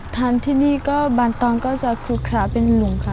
ทานที่นี่ก็บางตอนก็จะคลุกคล้าเป็นหลุมค่ะ